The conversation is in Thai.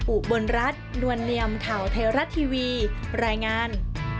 อุบลรัฐนวลเนียมข่าวไทยรัฐทีวีรายงาน